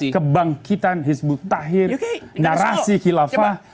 kebangkitan hizb ut tahir narasi khilafah